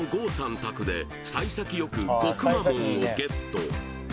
宅でさい先よく５くまモンをゲット